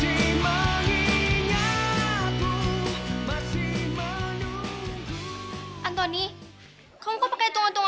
aku masih mengingatmu masih menunggumu